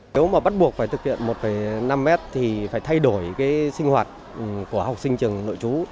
nếu mà bắt buộc phải thực hiện một năm mét thì phải thay đổi cái sinh hoạt của học sinh trường nội trú